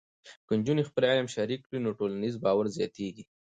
که نجونې خپل علم شریک کړي، نو ټولنیز باور زیاتېږي.